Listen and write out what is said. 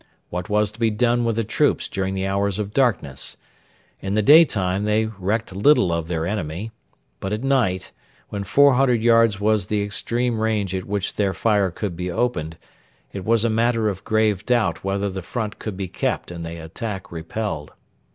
What was to be done with the troops during the hours of darkness? In the daytime they recked little of their enemy. But at night, when 400 yards was the extreme range at which their fire could be opened, it was a matter of grave doubt whether the front could be kept and the attack repelled.